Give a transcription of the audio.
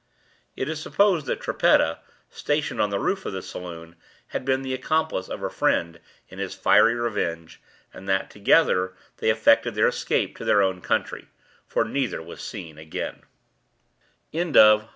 It is supposed that Trippetta, stationed on the roof of the saloon, had been the accomplice of her friend in his fiery revenge, and that, together, they effected their escape to their own country; for neither was seen again.